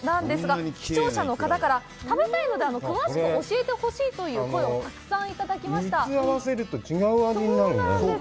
視聴者の方から「食べたいので詳しく教えてほしい」という声をたくさんいただきました。